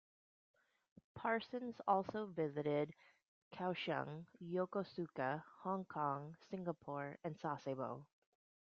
"Parsons" also visited Kaohsiung, Yokosuka, Hong Kong, Singapore and Sasebo.